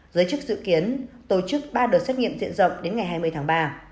giới chức dự kiến tổ chức ba đợt xét nghiệm diện rộng đến ngày hai mươi tháng ba